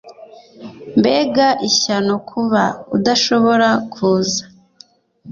Mbega ishyano kuba udashobora kuza